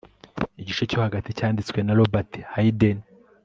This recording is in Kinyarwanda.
Igice cyo hagati cyanditswe na Robert Hayden